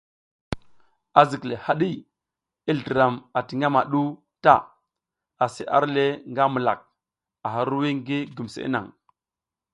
Azikle haɗi, i zliram ati ngamaɗu ta, asi arle nga milak, a hirwuy ngi gumseʼe nang.